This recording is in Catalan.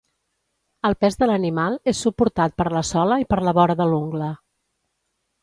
El pes de l'animal és suportat per la sola i per la vora de l'ungla.